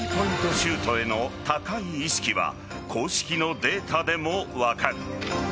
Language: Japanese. シュートへの高い意識は公式のデータでも分かる。